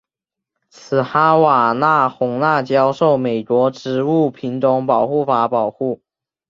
此哈瓦那红辣椒受美国植物品种保护法保护。